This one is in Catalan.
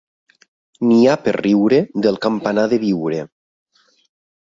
N'hi ha per riure del campanar de Biure!